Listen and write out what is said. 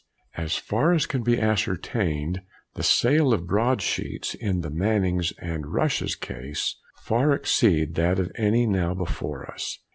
As far as can be ascertained, the sale of Broad sheets in the Mannings and Rush's case far exceed that of any now before us.